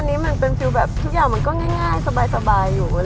อันนี้มันเป็นฟิลแบบทุกอย่างมันก็ง่ายสบายอยู่